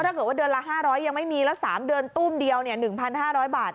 ถ้าเกิดว่าเดือนละ๕๐๐ยังไม่มีแล้ว๓เดือนตุ้มเดียว๑๕๐๐บาท